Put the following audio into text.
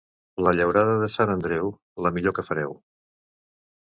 La llaurada de Sant Andreu, la millor que fareu.